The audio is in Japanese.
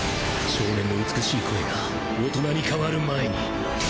少年の美しい声が大人に変わる前に。